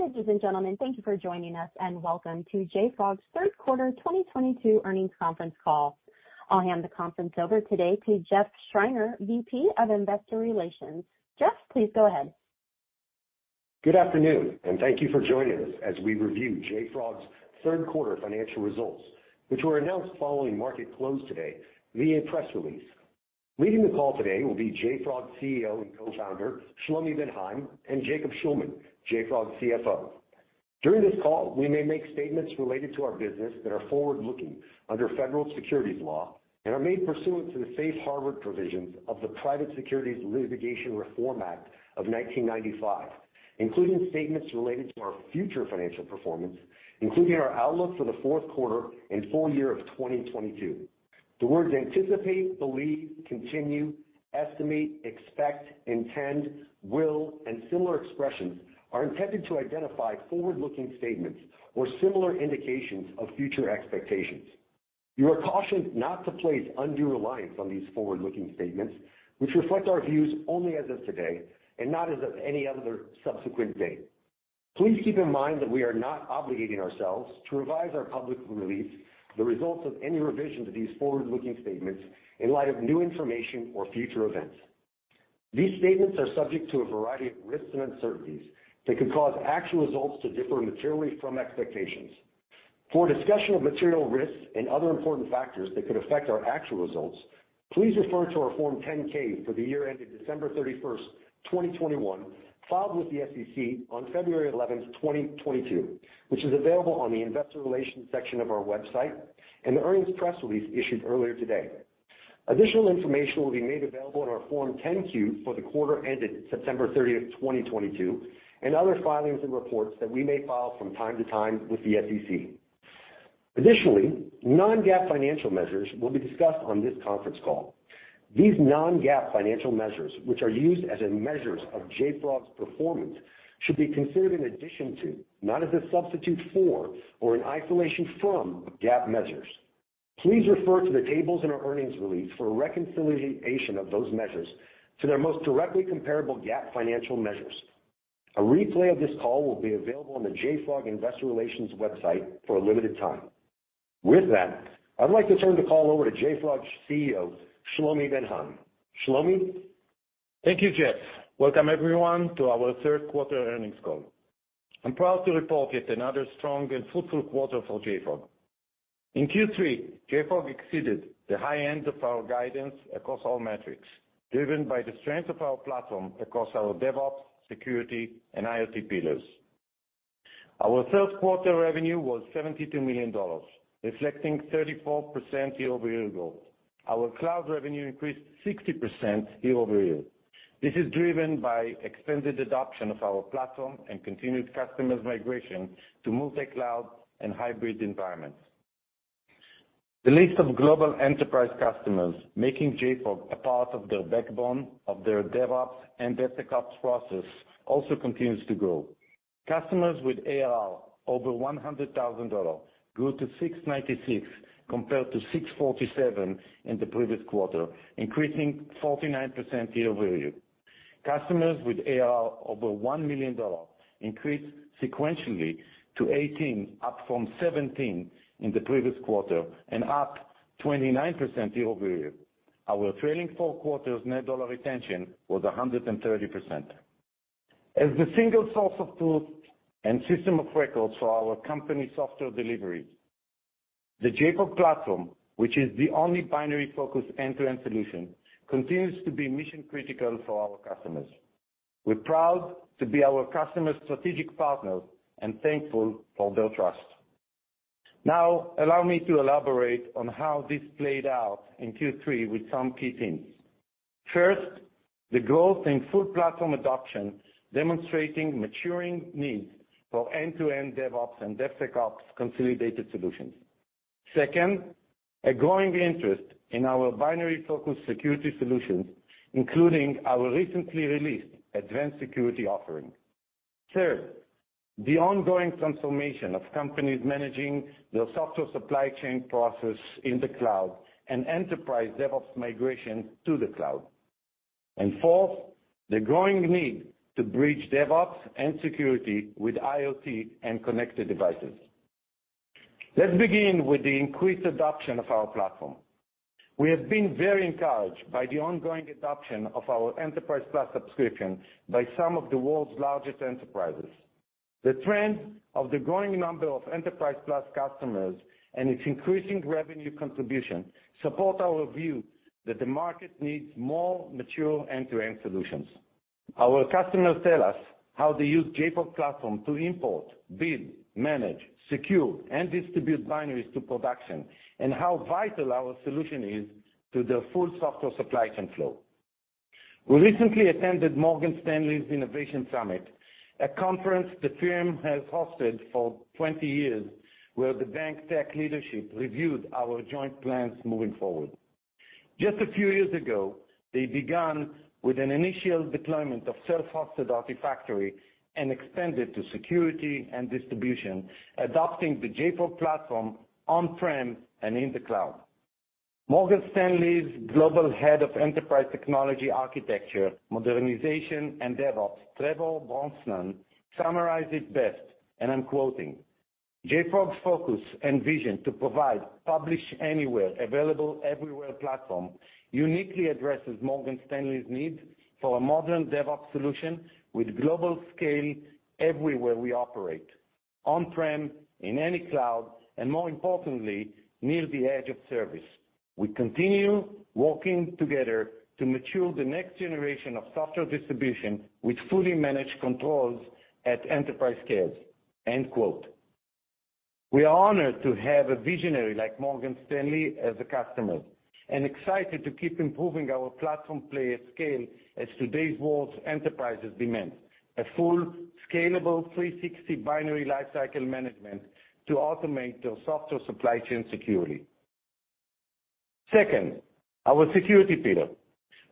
Ladies and gentlemen, thank you for joining us, and welcome to JFrog's third quarter 2022 earnings conference call. I'll hand the conference over today to Jeff Schreiner, VP of Investor Relations. Jeff, please go ahead. Good afternoon, and thank you for joining us as we review JFrog's third quarter financial results, which were announced following market close today via press release. Leading the call today will be JFrog's CEO and Co-founder, Shlomi Ben Haim, and Jacob Shulman, JFrog's CFO. During this call, we may make statements related to our business that are forward-looking under U.S. federal securities law and are made pursuant to the safe harbor provisions of the Private Securities Litigation Reform Act of 1995, including statements related to our future financial performance, including our outlook for the fourth quarter and full year of 2022. The words anticipate, believe, continue, estimate, expect, intend, will, and similar expressions are intended to identify forward-looking statements or similar indications of future expectations. You are cautioned not to place undue reliance on these forward-looking statements, which reflect our views only as of today and not as of any other subsequent date. Please keep in mind that we are not obligating ourselves to revise our public release, the results of any revision to these forward-looking statements in light of new information or future events. These statements are subject to a variety of risks and uncertainties that could cause actual results to differ materially from expectations. For a discussion of material risks and other important factors that could affect our actual results, please refer to our Form 10-K for the year ending December 31st, 2021, filed with the SEC on February 11th, 2022, which is available on the investor relations section of our website and the earnings press release issued earlier today. Additional information will be made available on our Form 10-Q for the quarter ended September 30th, 2022, and other filings and reports that we may file from time to time with the SEC. Additionally, non-GAAP financial measures will be discussed on this conference call. These non-GAAP financial measures, which are used as measures of JFrog's performance, should be considered in addition to, not as a substitute for or in isolation from GAAP measures. Please refer to the tables in our earnings release for a reconciliation of those measures to their most directly comparable GAAP financial measures. A replay of this call will be available on the JFrog investor relations website for a limited time. With that, I'd like to turn the call over to JFrog CEO, Shlomi Ben Haim. Shlomi? Thank you, Jeff. Welcome everyone to our third quarter earnings call. I'm proud to report yet another strong and fruitful quarter for JFrog. In Q3, JFrog exceeded the high end of our guidance across all metrics, driven by the strength of our platform across our DevOps, security, and IoT pillars. Our third quarter revenue was $72 million, reflecting 34% year-over-year growth. Our cloud revenue increased 60% year-over-year. This is driven by expanded adoption of our platform and continued customers migration to multi-cloud and hybrid environments. The list of global enterprise customers making JFrog a part of their backbone of their DevOps and DevSecOps process also continues to grow. Customers with ARR over $100,000 grew to 696 compared to 647 in the previous quarter, increasing 49% year-over-year. Customers with ARR over $1 million increased sequentially to 18, up from 17 in the previous quarter, and up 29% year-over-year. Our trailing four quarters net dollar retention was 130%. As the single source of truth and system of records for our company software deliveries, the JFrog Platform, which is the only binary-focused end-to-end solution, continues to be mission-critical for our customers. We're proud to be our customers' strategic partners and thankful for their trust. Now, allow me to elaborate on how this played out in Q3 with some key themes. First, the growth in full platform adoption, demonstrating maturing needs for end-to-end DevOps and DevSecOps consolidated solutions. Second, a growing interest in our binary-focused security solutions, including our recently released advanced security offering. Third, the ongoing transformation of companies managing their software supply chain process in the cloud and enterprise DevOps migration to the cloud. Fourth, the growing need to bridge DevOps and security with IoT and connected devices. Let's begin with the increased adoption of our platform. We have been very encouraged by the ongoing adoption of our Enterprise+ subscription by some of the world's largest enterprises. The trend of the growing number of Enterprise+ customers and its increasing revenue contribution support our view that the market needs more mature end-to-end solutions. Our customers tell us how they use JFrog Platform to import, build, manage, secure, and distribute binaries to production, and how vital our solution is to the full software supply chain flow. We recently attended Morgan Stanley's Innovation Summit, a conference the firm has hosted for 20 years, where the bank tech leadership reviewed our joint plans moving forward. Just a few years ago, they began with an initial deployment of self-hosted Artifactory and expanded to security and distribution, adopting the JFrog Platform on-prem and in the cloud. Morgan Stanley's Global Head of Enterprise Technology Architecture, Modernization, and DevOps, Trevor Brosnan, summarized it best, and I'm quoting, "JFrog's focus and vision to provide publish anywhere, available everywhere platform, uniquely addresses Morgan Stanley's need for a modern DevOps solution with global scale everywhere we operate. On-prem, in any cloud, and more importantly, near the edge of service. We continue working together to mature the next generation of software distribution with fully managed controls at enterprise scales." End quote. We are honored to have a visionary like Morgan Stanley as a customer, and excited to keep improving our platform play at scale as today's world's enterprises demand. A full, scalable 360 binary lifecycle management to automate their software supply chain security. Second, our security pillar.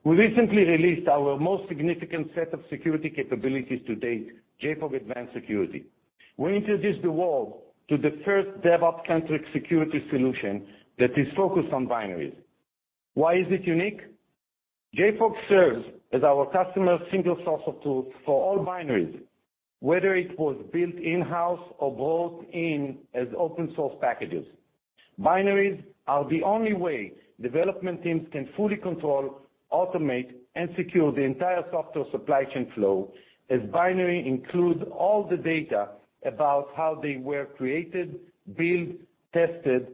We recently released our most significant set of security capabilities to date, JFrog Advanced Security. We introduced the world to the first DevOps-centric security solution that is focused on binaries. Why is it unique? JFrog serves as our customer's single source of tools for all binaries, whether it was built in-house or bought in as open source packages. Binaries are the only way development teams can fully control, automate, and secure the entire software supply chain flow, as binary includes all the data about how they were created, built, tested,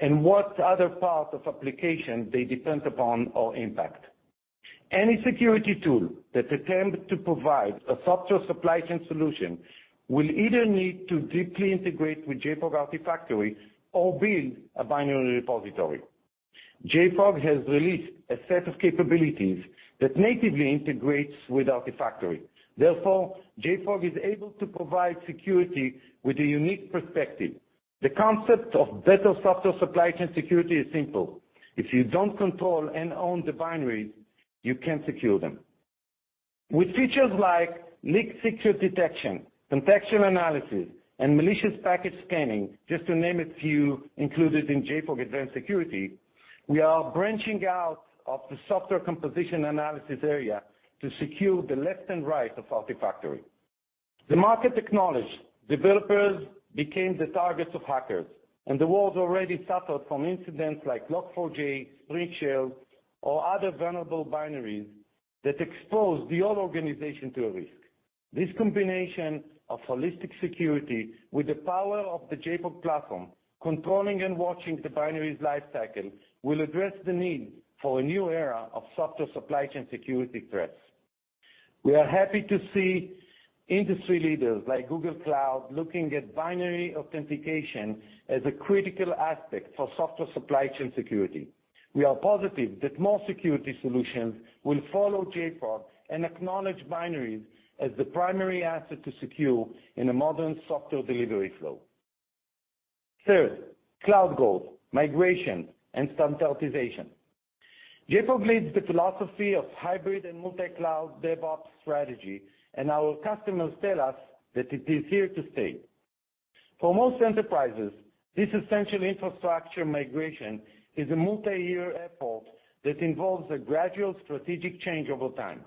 and what other parts of application they depend upon or impact. Any security tool that attempt to provide a software supply chain solution will either need to deeply integrate with JFrog Artifactory or build a binary repository. JFrog has released a set of capabilities that natively integrates with Artifactory. Therefore, JFrog is able to provide security with a unique perspective. The concept of better software supply chain security is simple. If you don't control and own the binaries, you can't secure them. With features like leak secret detection, contextual analysis, and malicious package scanning, just to name a few included in JFrog Advanced Security, we are branching out of the software composition analysis area to secure the left and right of Artifactory. The market acknowledged developers became the targets of hackers, and the world already suffered from incidents like Log4j, Spring4Shell, or other vulnerable binaries that exposed the whole organization to a risk. This combination of holistic security with the power of the JFrog Platform, controlling and watching the binaries lifecycle, will address the need for a new era of software supply chain security threats. We are happy to see industry leaders like Google Cloud looking at binary authentication as a critical aspect for software supply chain security. We are positive that more security solutions will follow JFrog and acknowledge binaries as the primary asset to secure in a modern software delivery flow. Third, multi-cloud migration, and standardization. JFrog leads the philosophy of hybrid and multi-cloud DevOps strategy, and our customers tell us that it is here to stay. For most enterprises, this essential infrastructure migration is a multi-year effort that involves a gradual strategic change over time.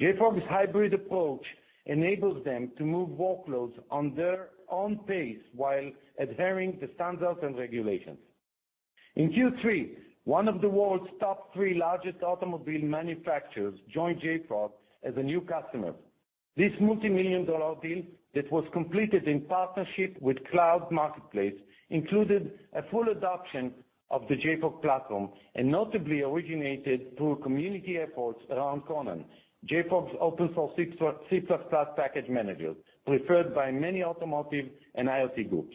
JFrog's hybrid approach enables them to move workloads on their own pace while adhering to standards and regulations. In Q3, one of the world's top three largest automobile manufacturers joined JFrog as a new customer. This multi-million dollars deal that was completed in partnership with Cloud Marketplace included a full adoption of the JFrog Platform and notably originated through community efforts around Conan, JFrog's open-source C++ package manager, preferred by many automotive and IoT groups.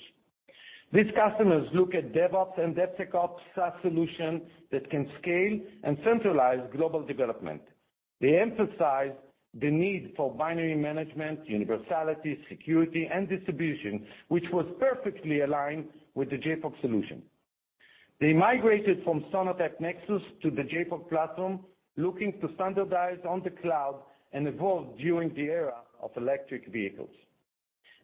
These customers look at DevOps and DevSecOps SaaS solution that can scale and centralize global development. They emphasize the need for binary management, universality, security, and distribution, which was perfectly aligned with the JFrog solution. They migrated from Sonatype Nexus to the JFrog Platform, looking to standardize on the cloud and evolve during the era of electric vehicles.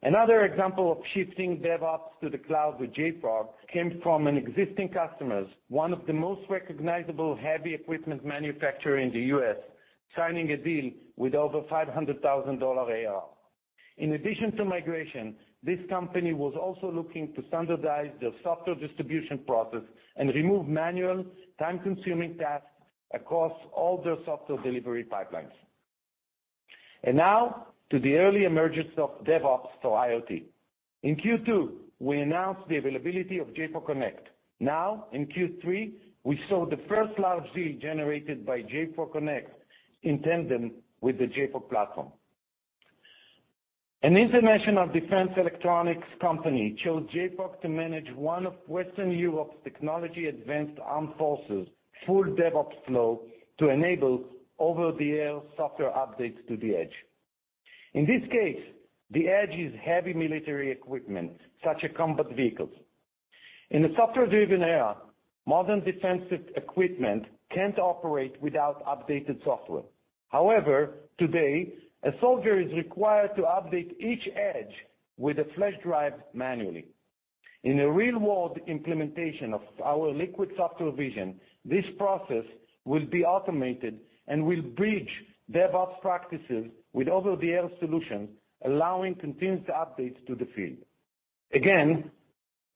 Another example of shifting DevOps to the cloud with JFrog came from an existing customers, one of the most recognizable heavy equipment manufacturer in the U.S. signing a deal with over $500,000 ARR. In addition to migration, this company was also looking to standardize their software distribution process and remove manual, time-consuming tasks across all their software delivery pipelines. Now, to the early emergence of DevOps for IoT. In Q2, we announced the availability of JFrog Connect. Now, in Q3, we saw the first large deal generated by JFrog Connect in tandem with the JFrog Platform. An international defense electronics company chose JFrog to manage one of Western Europe's technologically advanced armed forces full DevOps flow to enable over-the-air software updates to the edge. In this case, the edge is heavy military equipment, such as combat vehicles. In a software-driven era, modern defensive equipment can't operate without updated software. However, today, a soldier is required to update each edge with a flash drive manually. In a real-world implementation of our Liquid Software vision, this process will be automated and will bridge DevOps practices with other DL solutions, allowing continuous updates to the field. Again,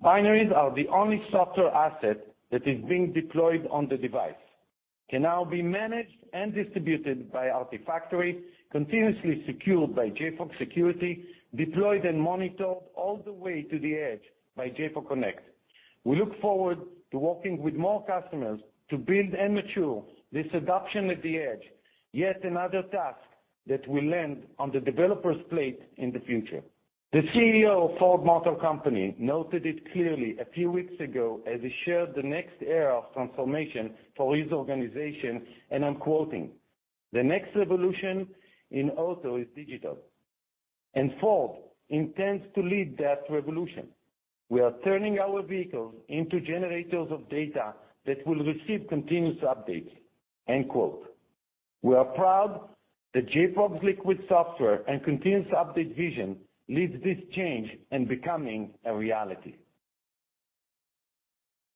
binaries are the only software asset that is being deployed on the device, can now be managed and distributed by Artifactory, continuously secured by JFrog Security, deployed and monitored all the way to the edge by JFrog Connect. We look forward to working with more customers to build and mature this adoption at the edge, yet another task that will land on the developer's plate in the future. The CEO of Ford Motor Company noted it clearly a few weeks ago as he shared the next era of transformation for his organization, and I'm quoting, "The next revolution in auto is digital, and Ford intends to lead that revolution. We are turning our vehicles into generators of data that will receive continuous updates." End quote. We are proud that JFrog's Liquid Software and continuous update vision leads this change in becoming a reality.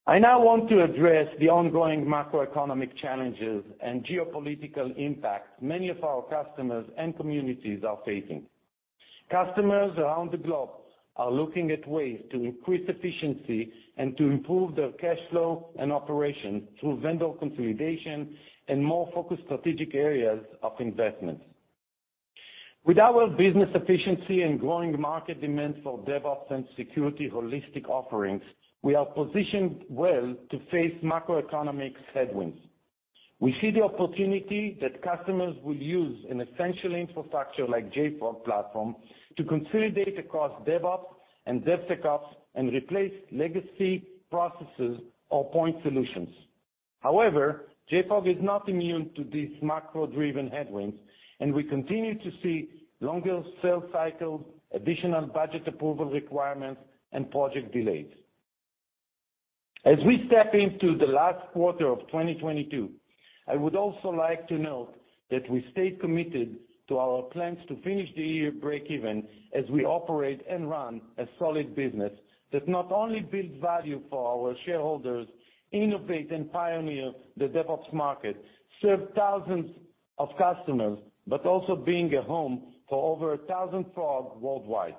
I now want to address the ongoing macroeconomic challenges and geopolitical impacts many of our customers and communities are facing. Customers around the globe are looking at ways to increase efficiency and to improve their cash flow and operations through vendor consolidation and more focused strategic areas of investments. With our business efficiency and growing market demand for DevOps and security holistic offerings, we are positioned well to face macroeconomic headwinds. We see the opportunity that customers will use an essential infrastructure like JFrog Platform to consolidate across DevOps and DevSecOps and replace legacy processes or point solutions. However, JFrog is not immune to these macro-driven headwinds, and we continue to see longer sales cycles, additional budget approval requirements, and project delays. As we step into the last quarter of 2022, I would also like to note that we stay committed to our plans to finish the year breakeven as we operate and run a solid business that not only builds value for our shareholders, innovate and pioneer the DevOps market, serve thousands of customers, but also being a home to over a thousand frogs worldwide.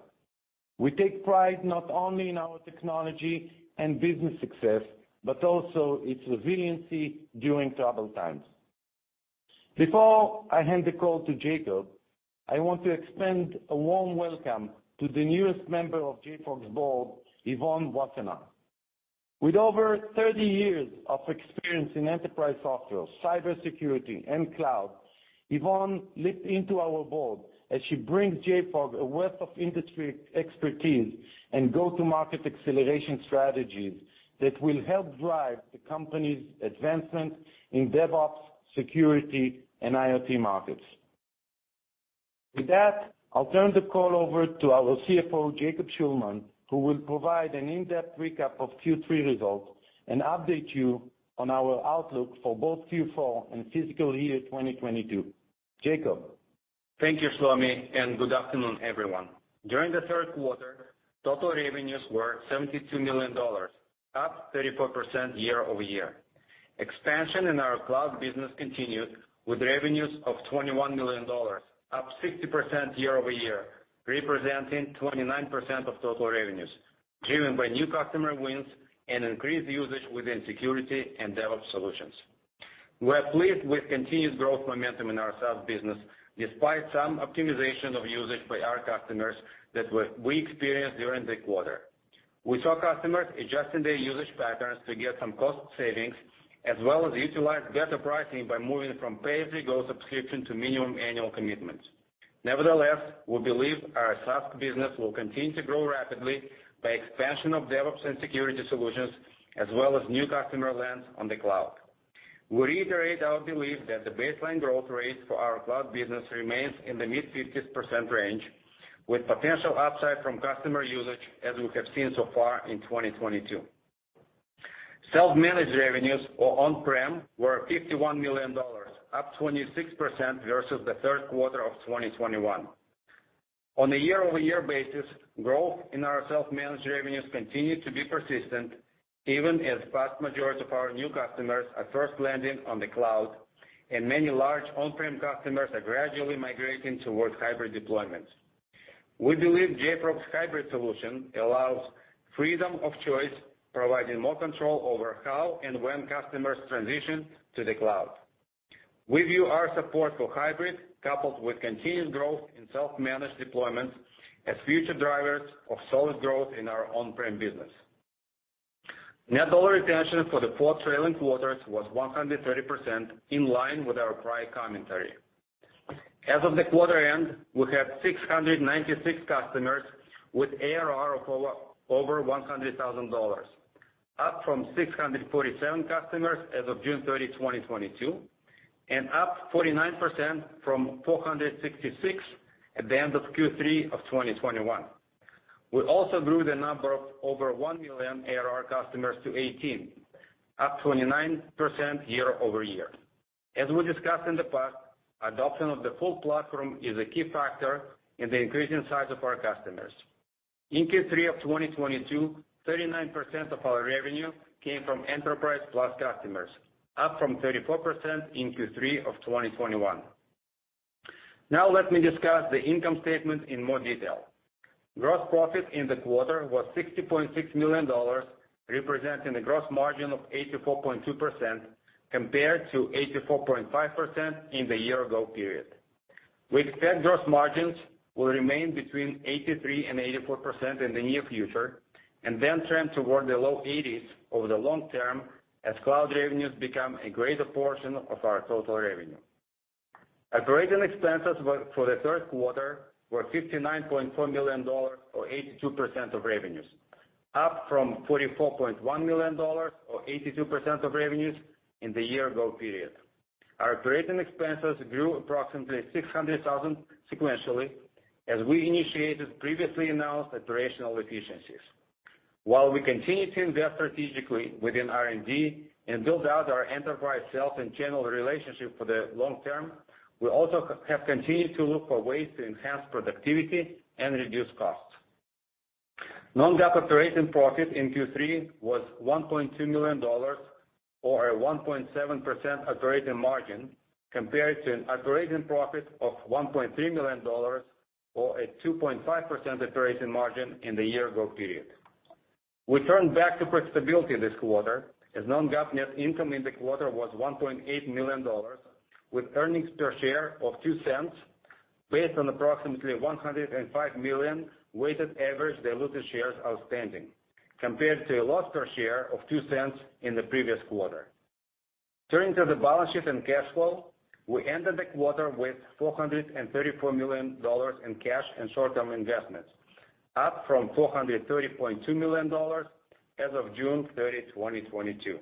We take pride not only in our technology and business success, but also its resiliency during troubled times. Before I hand the call to Jacob, I want to extend a warm welcome to the newest member of JFrog's Board, Yvonne Wassenaar. With over 30 years of experience in enterprise software, cybersecurity, and cloud, Yvonne joins our Board as she brings JFrog a wealth of industry expertise and go-to-market acceleration strategies that will help drive the company's advancement in DevOps, security, and IoT markets. With that, I'll turn the call over to our CFO, Jacob Shulman, who will provide an in-depth recap of Q3 results and update you on our outlook for both Q4 and fiscal year 2022. Jacob? Thank you, Shlomi, and good afternoon, everyone. During the third quarter, total revenues were $72 million, up 34% year-over-year. Expansion in our cloud business continued with revenues of $21 million, up 60% year-over-year, representing 29% of total revenues, driven by new customer wins and increased usage within security and DevOps solutions. We are pleased with continued growth momentum in our SaaS business, despite some optimization of usage by our customers that we experienced during the quarter. We saw customers adjusting their usage patterns to get some cost savings as well as utilize better pricing by moving from pay-as-you-go subscription to minimum annual commitment. Nevertheless, we believe our SaaS business will continue to grow rapidly by expansion of DevOps and security solutions as well as new customer lands on the cloud. We reiterate our belief that the baseline growth rate for our cloud business remains in the mid-50% range, with potential upside from customer usage as we have seen so far in 2022. Self-managed revenues or on-prem were $51 million, up 26% versus the third quarter of 2021. On a year-over-year basis, growth in our self-managed revenues continued to be persistent, even as vast majority of our new customers are first landing on the cloud and many large on-prem customers are gradually migrating towards hybrid deployment. We believe JFrog's hybrid solution allows freedom of choice, providing more control over how and when customers transition to the cloud. We view our support for hybrid, coupled with continued growth in self-managed deployment, as future drivers of solid growth in our on-prem business. Net dollar retention for the four trailing quarters was 130%, in line with our prior commentary. As of the quarter end, we have 696 customers with ARR of over $100,000, up from 647 customers as of June 30th, 2022, and up 49% from 466 at the end of Q3 of 2021. We also grew the number of over $1 million ARR customers to 18. Up 29% year-over-year. As we discussed in the past, adoption of the full platform is a key factor in the increasing size of our customers. In Q3 of 2022, 39% of our revenue came from Enterprise+ customers, up from 34% in Q3 of 2021. Now let me discuss the income statement in more detail. Gross profit in the quarter was $60.6 million, representing a gross margin of 84.2% compared to 84.5% in the year ago period. We expect gross margins will remain between 83%-84% in the near future, and then trend toward the low 80% over the long term as cloud revenues become a greater portion of our total revenue. Operating expenses were for the third quarter $59.4 million or 82% of revenues, up from $44.1 million or 82% of revenues in the year ago period. Our operating expenses grew approximately $600,000 sequentially as we initiated previously announced operational efficiencies. While we continue to invest strategically within R&D and build out our enterprise sales and channel relationship for the long term, we also have continued to look for ways to enhance productivity and reduce costs. non-GAAP operating profit in Q3 was $1.2 million or a 1.7% operating margin compared to an operating profit of $1.3 million or a 2.5% operating margin in the year ago period. We turned back to profitability this quarter as non-GAAP net income in the quarter was $1.8 million with earnings per share of $0.02 based on approximately 105 million weighted average diluted shares outstanding, compared to a loss per share of $0.02 in the previous quarter. Turning to the balance sheet and cash flow, we ended the quarter with $434 million in cash and short-term investments, up from $430.2 million as of June 30th, 2022.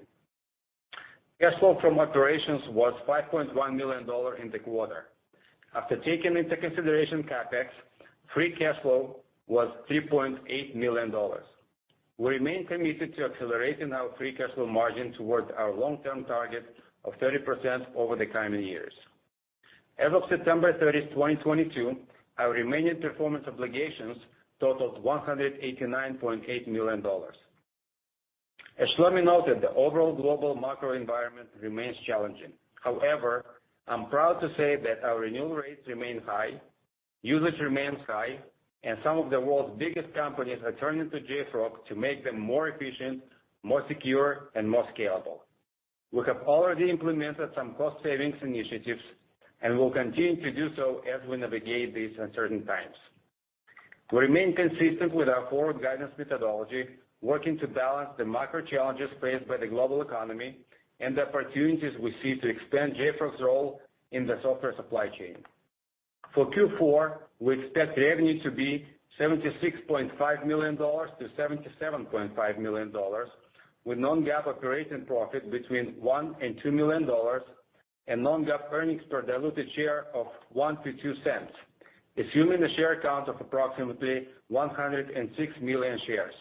Cash flow from operations was $5.1 million in the quarter. After taking into consideration CapEx, free cash flow was $3.8 million. We remain committed to accelerating our free cash flow margin towards our long-term target of 30% over the coming years. As of September 30th, 2022, our remaining performance obligations totaled $189.8 million. As Shlomi noted, the overall global macro environment remains challenging. However, I'm proud to say that our renewal rates remain high, usage remains high, and some of the world's biggest companies are turning to JFrog to make them more efficient, more secure, and more scalable. We have already implemented some cost savings initiatives, and we'll continue to do so as we navigate these uncertain times. We remain consistent with our forward guidance methodology, working to balance the macro challenges faced by the global economy and the opportunities we see to extend JFrog's role in the software supply chain. For Q4, we expect revenue to be $76.5 million-$77.5 million with non-GAAP operating profit between $1 million and $2 million and non-GAAP earnings per diluted share of $0.01-$0.02, assuming a share count of approximately 106 million shares.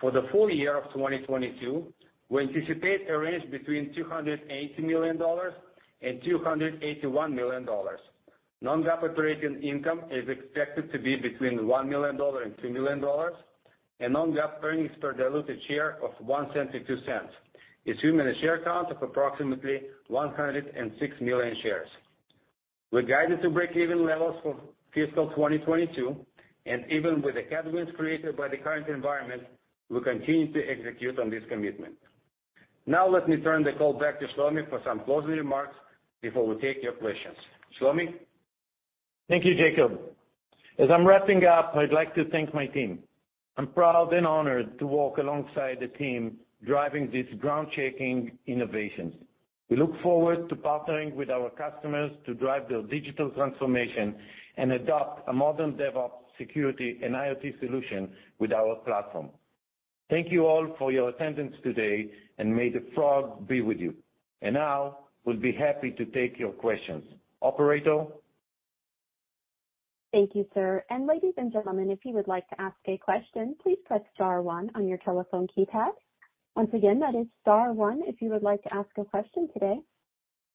For the full year of 2022, we anticipate a range between $280 million and $281 million. Non-GAAP operating income is expected to be between $1 million and $2 million, and non-GAAP earnings per diluted share of $0.01-$0.02, assuming a share count of approximately 106 million shares. We're guided to break-even levels for fiscal 2022, and even with the headwinds created by the current environment, we continue to execute on this commitment. Now, let me turn the call back to Shlomi for some closing remarks before we take your questions. Shlomi? Thank you, Jacob. As I'm wrapping up, I'd like to thank my team. I'm proud and honored to walk alongside the team driving these groundbreaking innovations. We look forward to partnering with our customers to drive their digital transformation and adopt a modern DevOps security and IoT solution with our platform. Thank you all for your attendance today, and may the Frog be with you. Now we'll be happy to take your questions. Operator? Thank you, sir. Ladies and gentlemen, if you would like to ask a question, please press star one on your telephone keypad. Once again, that is star one if you would like to ask a question today.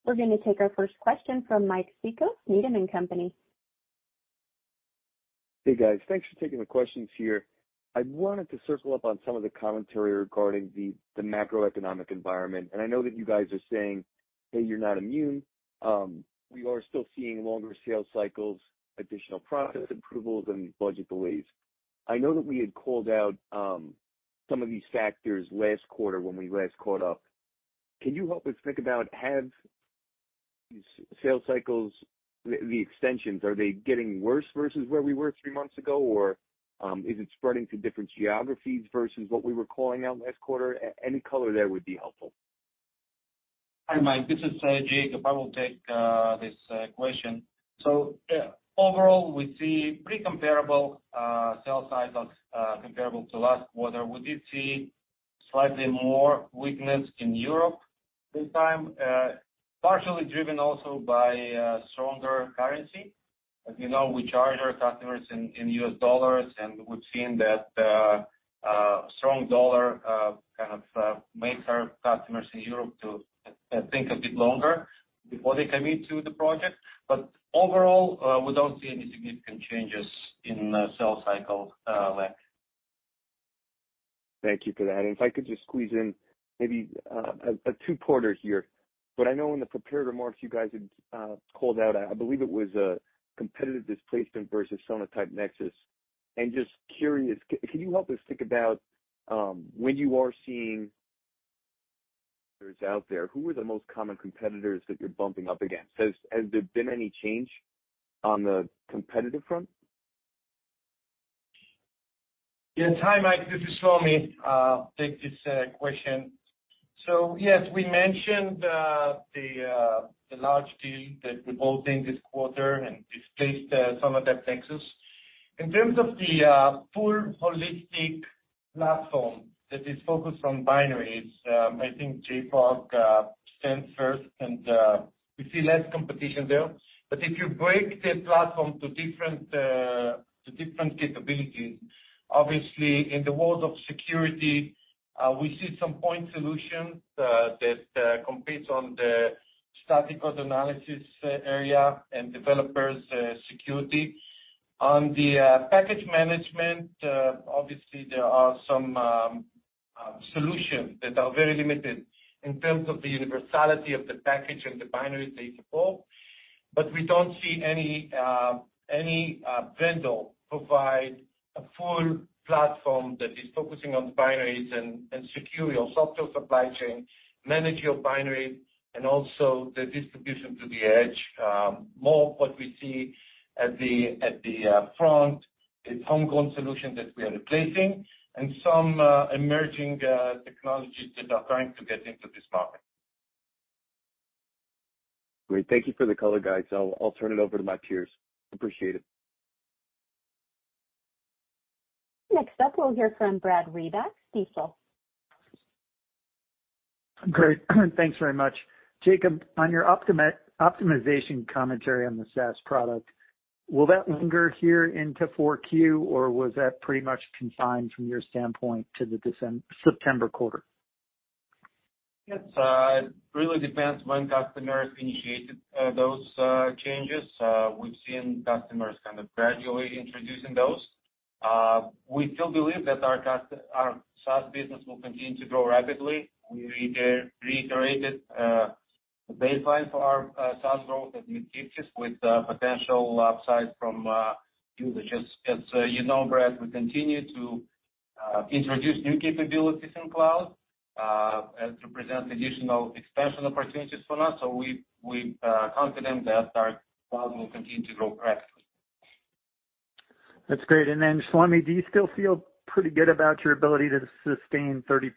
We're gonna take our first question from Mike Cikos, Needham & Company. Hey, guys. Thanks for taking the questions here. I wanted to circle up on some of the commentary regarding the macroeconomic environment. I know that you guys are saying that you're not immune. We are still seeing longer sales cycles, additional process approvals, and budget delays. I know that we had called out some of these factors last quarter when we last caught up. Can you help us think about have these sales cycles, the extensions, are they getting worse versus where we were three months ago? Or, is it spreading to different geographies versus what we were calling out last quarter? Any color there would be helpful. Hi, Mike. This is Jacob. I will take this question. Overall, we see pretty comparable sales cycles, comparable to last quarter. We did see slightly more weakness in Europe. This time, partially driven also by a stronger currency. As you know, we charge our customers in U.S. dollars, and we've seen that a strong dollar kind of makes our customers in Europe to think a bit longer before they commit to the project. Overall, we don't see any significant changes in the sales cycle length. Thank you for that. If I could just squeeze in maybe a two-parter here. I know in the prepared remarks you guys had called out, I believe it was, competitive displacement versus Sonatype Nexus. Just curious, can you help us think about when you are seeing out there, who are the most common competitors that you're bumping up against? Has there been any change on the competitive front? Yes. Hi, Mike, this is Shlomi. Take this question. Yes, we mentioned the large deal that we're building this quarter and displaced Sonatype Nexus. In terms of the full holistic platform that is focused on binaries, I think JFrog stands first and we see less competition there. If you break the platform to different capabilities, obviously in the world of security, we see some point solutions that competes on the static code analysis area and developers security. On the package management, obviously there are some solutions that are very limited in terms of the universality of the package and the binaries they support. We don't see any vendor provide a full platform that is focusing on binaries and secure your software supply chain, manage your binary, and also the distribution to the edge. More of what we see at the front is homegrown solution that we are replacing and some emerging technologies that are trying to get into this market. Great. Thank you for the color guides. I'll turn it over to my peers. Appreciate it. Next up, we'll hear from Brad Reback, Stifel. Great. Thanks very much. Jacob, on your optimization commentary on the SaaS product, will that linger here into 4Q or was that pretty much confined from your standpoint to the September quarter? Yes. It really depends when customers initiated those changes. We've seen customers kind of gradually introducing those. We still believe that our SaaS business will continue to grow rapidly. We reiterated the baseline for our SaaS growth as we keep this with potential upside from usage. As you know, Brad, we continue to introduce new capabilities in cloud and to present additional expansion opportunities for us. We're confident that our cloud will continue to grow rapidly. That's great. Shlomi, do you still feel pretty good about your ability to sustain 30%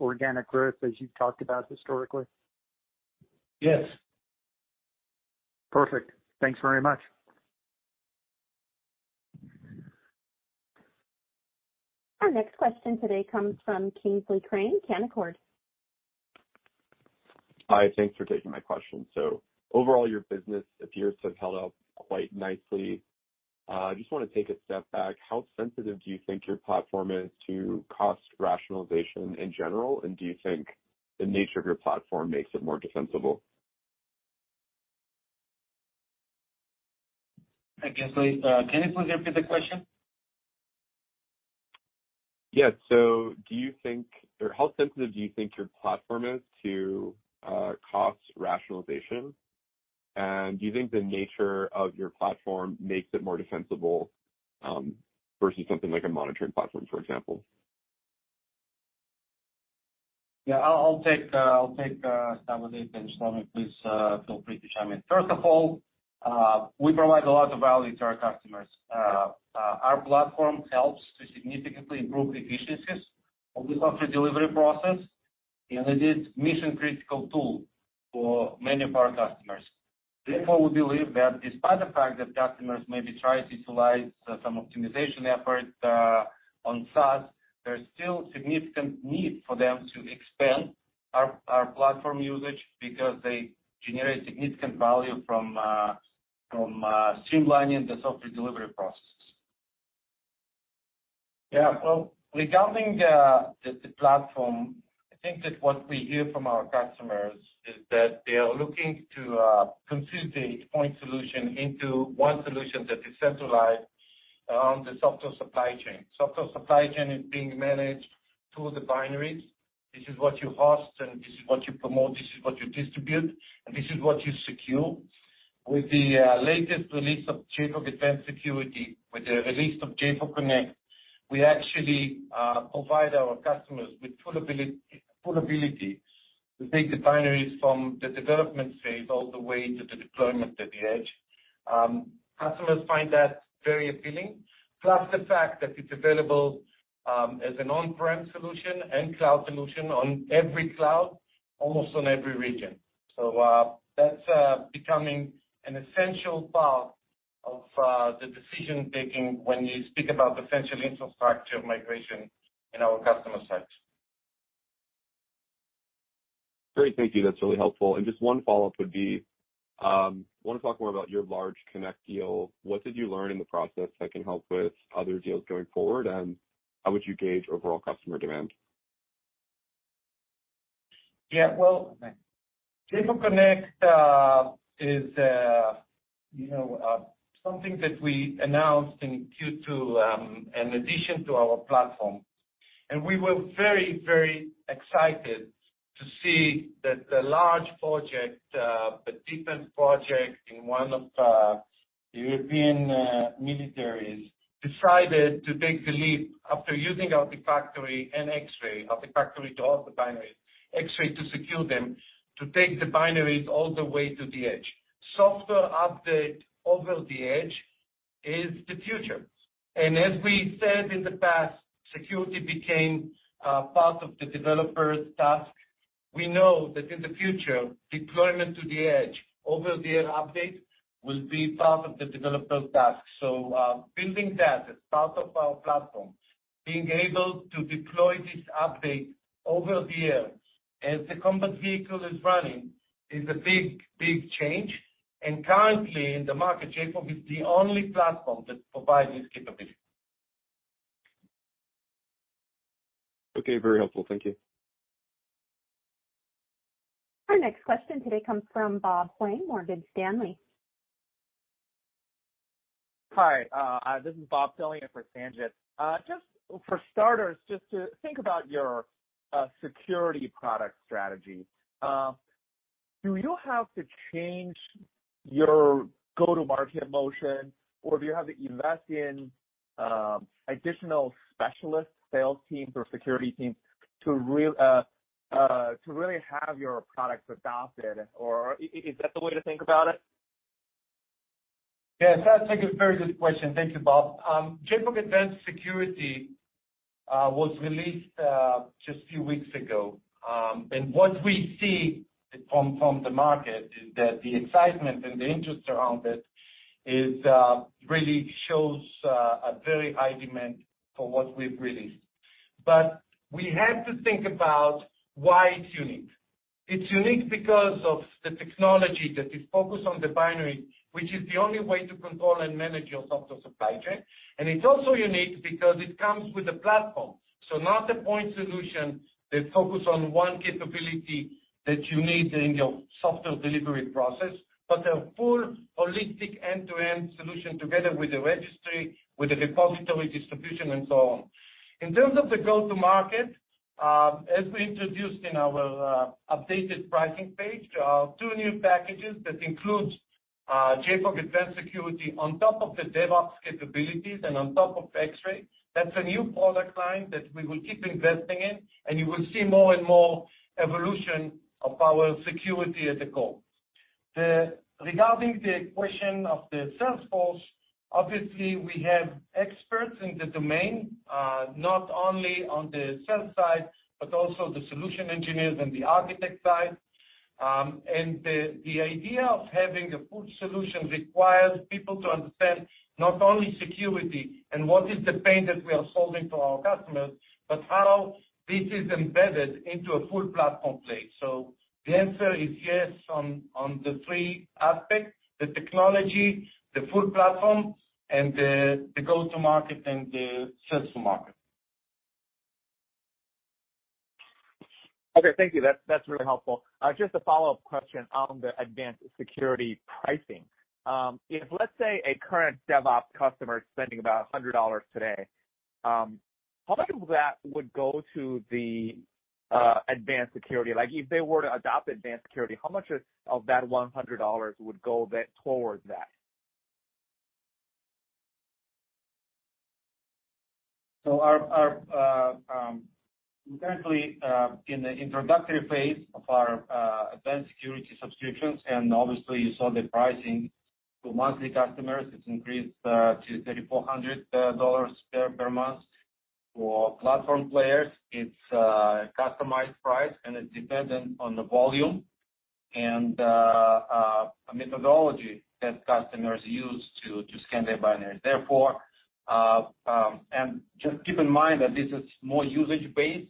organic growth as you've talked about historically? Yes. Perfect. Thanks very much. Our next question today comes from Kingsley Crane, Canaccord. Hi. Thanks for taking my question. Overall, your business appears to have held up quite nicely. Just wanna take a step back. How sensitive do you think your platform is to cost rationalization in general? Do you think the nature of your platform makes it more defensible? Hi, Kingsley. Can you please repeat the question? Yes. Do you think or how sensitive do you think your platform is to cost rationalization? Do you think the nature of your platform makes it more defensible versus something like a monitoring platform, for example? Yeah. I'll take some of it, and Shlomi, please, feel free to chime in. First of all, we provide a lot of value to our customers. Our platform helps to significantly improve the efficiencies of the software delivery process, and it is mission-critical tool for many of our customers. Therefore, we believe that despite the fact that customers may be trying to utilize some optimization efforts on SaaS, there's still significant need for them to expand our platform usage because they generate significant value from streamlining the software delivery process. Yeah. Well, regarding the platform, I think that what we hear from our customers is that they are looking to consume the point solution into one solution that is centralized around the software supply chain. Software supply chain is being managed through the binaries. This is what you host, and this is what you promote, this is what you distribute, and this is what you secure. With the latest release of JFrog Advanced Security, with the release of JFrog Connect, we actually provide our customers with full ability to take the binaries from the development phase all the way to the deployment at the edge. Customers find that very appealing. Plus the fact that it's available as an on-prem solution and cloud solution on every cloud, almost on every region. That's becoming an essential part of the decision-making when we speak about the central infrastructure migration in our customer sites. Great. Thank you. That's really helpful. Just one follow-up would be, wanna talk more about your large Connect deal. What did you learn in the process that can help with other deals going forward, and how would you gauge overall customer demand? Yeah. Well, JFrog Connect is, you know, something that we announced in Q2, in addition to our platform. We were very, very excited to see that the large project, the defense project in one of the European militaries decided to take the leap after using Artifactory and Xray, Artifactory to host the binaries, Xray to secure them, to take the binaries all the way to the edge. Software update over-the-air is the future. As we said in the past, security became part of the developer's task. We know that in the future, deployment to the edge over-the-air update will be part of the developer's task. Building that as part of our platform, being able to deploy this update over-the-air as the combat vehicle is running, is a big, big change. Currently in the market, JFrog is the only platform that provides this capability. Okay. Very helpful. Thank you. Our next question today comes from Bob Huang, Morgan Stanley. Hi, this is Bob filling in for Sanjit. Just for starters, just to think about your security product strategy, do you have to change your go-to-market motion or do you have to invest in additional specialist sales teams or security teams to really have your products adopted or is that the way to think about it? Yeah. That's actually a very good question. Thank you, Bob. JFrog Advanced Security was released just a few weeks ago. What we see from the market is that the excitement and the interest around it is really shows a very high demand for what we've released. We have to think about why it's unique. It's unique because of the technology that is focused on the binary, which is the only way to control and manage your software supply chain. It's also unique because it comes with a platform. Not a point solution that focus on one capability that you need in your software delivery process, but a full holistic end-to-end solution together with the registry, with the repository distribution and so on. In terms of the go-to-market, as we introduced in our updated pricing page, two new packages that includes JFrog Advanced Security on top of the DevOps capabilities and on top of Xray. That's a new product line that we will keep investing in, and you will see more and more evolution of our security as a whole. Regarding the question of the sales force, obviously we have experts in the domain, not only on the sales side, but also the solution engineers and the architect side. And the idea of having a full solution requires people to understand not only security and what is the pain that we are solving to our customers, but how this is embedded into a full platform play. The answer is yes on the three aspects, the technology, the full platform, and the go-to-market and the sales to market. Okay. Thank you. That's really helpful. Just a follow-up question on the Advanced Security pricing. If, let's say, a current DevOps customer is spending about $100 today, how much of that would go to the Advanced Security? Like, if they were to adopt Advanced Security, how much of that $100 would go toward that? We're currently in the introductory phase of our Advanced Security subscriptions, and obviously you saw the pricing. For monthly customers, it's increased to $3,400 per month. For platform plans, it's a customized price, and it's dependent on the volume and methodology that customers use to scan their binaries. Just keep in mind that this is more usage-based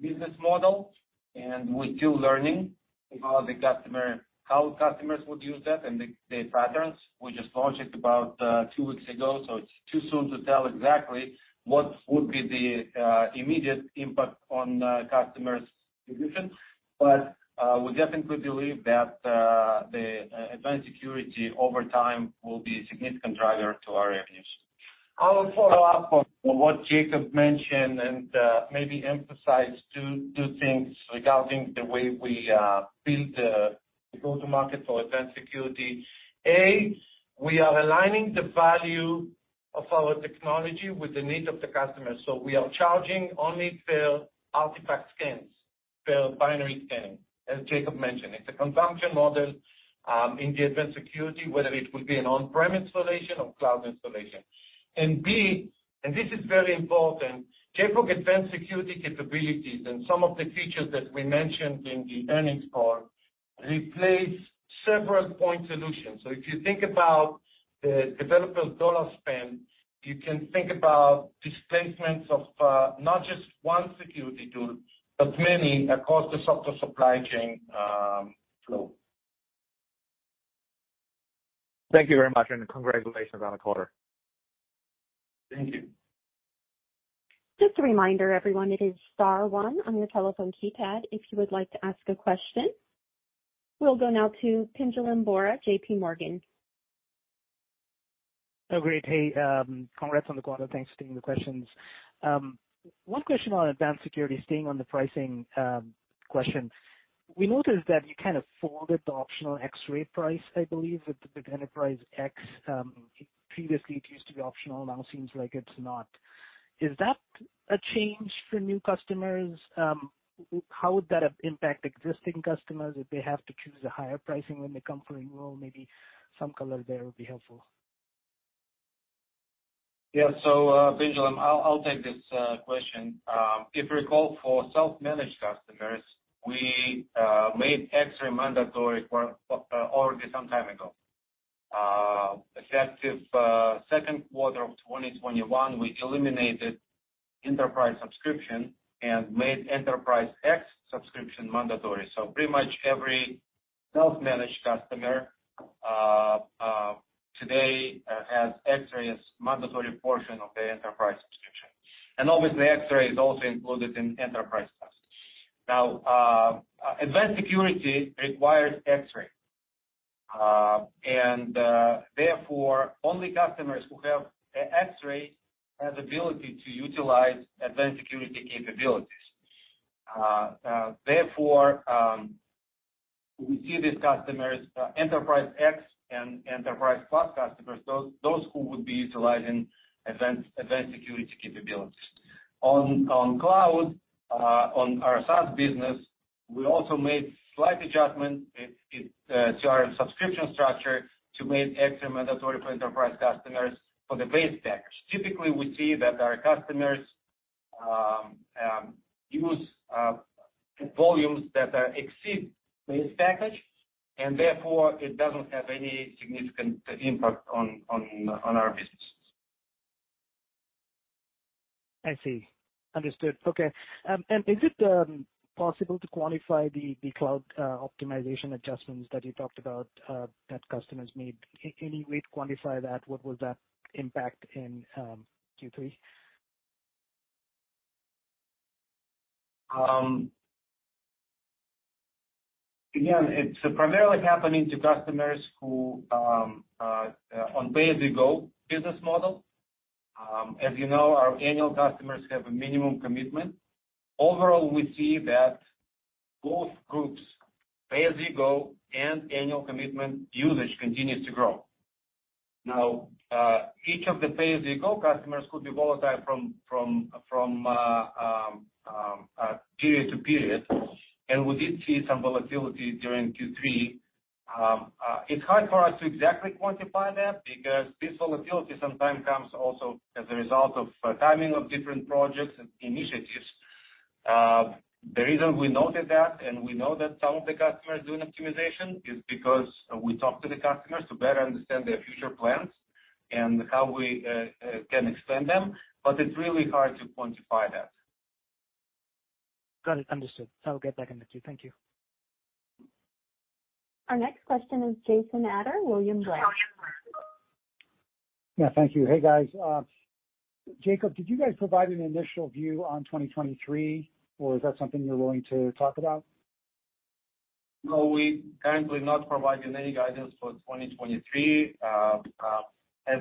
business model, and we're still learning about the customer, how customers would use that and the patterns. We just launched it about two weeks ago, so it's too soon to tell exactly what would be the immediate impact on customers' positions. We definitely believe that the Advanced Security over time will be a significant driver to our revenues. I will follow up on what Jacob mentioned and maybe emphasize two things regarding the way we build the go-to-market for Advanced Security. A, we are aligning the value of our technology with the need of the customer. We are charging only per artifact scans, per binary scan, as Jacob mentioned. It's a consumption model in the Advanced Security, whether it will be an on-prem installation or cloud installation. And B, this is very important. JFrog Advanced Security capabilities and some of the features that we mentioned in the earnings call replace several point solutions. If you think about the developers' dollar spend, you can think about displacements of not just one security tool, but many across the software supply chain flow. Thank you very much, and congratulations on the quarter. Thank you. Just a reminder everyone, it is star one on your telephone keypad if you would like to ask a question. We'll go now to Pinjalim Bora, JPMorgan. Oh, great. Hey, congrats on the quarter. Thanks for taking the questions. One question on advanced security. Staying on the pricing question. We noticed that you kind of folded the optional Xray price, I believe, with the Enterprise X. Previously it used to be optional, now seems like it's not. Is that a change for new customers? How would that have impact existing customers if they have to choose a higher pricing when they come for a renewal? Maybe some color there would be helpful. Yeah. Pinjalim, I'll take this question. If you recall, for self-managed customers, we made Xray mandatory already some time ago. Effective second quarter of 2021, we eliminated enterprise subscription and made Enterprise X subscription mandatory. Pretty much every self-managed customer today has Xray as mandatory portion of the enterprise subscription. Obviously Xray is also included in Enterprise+. Now, Advanced Security requires Xray. Therefore, only customers who have a Xray has ability to utilize Advanced Security capabilities. Therefore, we give these customers, Enterprise X and Enterprise+ customers, those who would be utilizing Advanced Security capabilities. On our SaaS business, we also made slight adjustments to our subscription structure to make Xray mandatory for enterprise customers for the base package. Typically, we see that our customers use volumes that exceed base package, and therefore it doesn't have any significant impact on our business. I see. Understood. Okay. Is it possible to quantify the cloud optimization adjustments that you talked about that customers made? Any way to quantify that? What was that impact in Q3? Again, it's primarily happening to customers who on pay-as-you-go business model. As you know, our annual customers have a minimum commitment. Overall, we see that both groups, pay-as-you-go and annual commitment usage continues to grow. Now, each of the pay-as-you-go customers could be volatile from period to period, and we did see some volatility during Q3. It's hard for us to exactly quantify that because this volatility sometimes comes also as a result of timing of different projects and initiatives. The reason we noted that, and we know that some of the customers are doing optimization, is because we talk to the customers to better understand their future plans and how we can extend them, but it's really hard to quantify that. Got it. Understood. I'll get back in the queue. Thank you. Our next question is Jason Ader, William Blair. Yeah. Thank you. Hey, guys. Jacob, did you guys provide an initial view on 2023, or is that something you're willing to talk about? No, we currently not providing any guidance for 2023. As